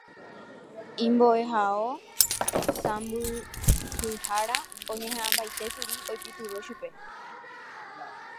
Imbo'ehao sãmbyhyhára oñeha'ãmbaitékuri oipytyvõ chupe.